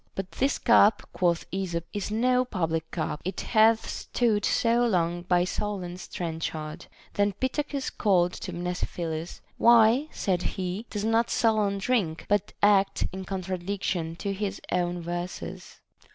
But this cup, quoth Esop, is no public cup, it hath stood so long by Solon's trenchard. Then Pittacus called to Mnesiphilus : Why, saith he, does not Solon drink, but act in contradiction to his own verses?